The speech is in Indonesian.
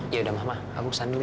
yaudah mama aku kesan dulu